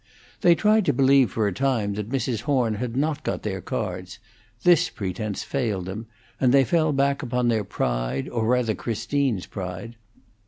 They tried to believe for a time that Mrs. Horn had not got their cards; this pretence failed them, and they fell back upon their pride, or rather Christine's pride.